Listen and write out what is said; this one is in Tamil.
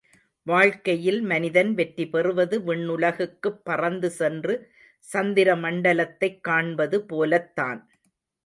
வாழ்க்கையில் மனிதன் வெற்றி பெறுவது விண்ணுலகுக்குப் பறந்து சென்று சந்திர மண்டலத்தைக் காண்பது போலத்தான்.